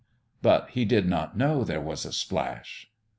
But he did not know there was a splash.